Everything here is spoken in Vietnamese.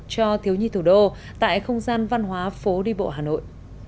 cho thiếu nhi thủ đô tại không gian văn hóa phố đi bộ hà nội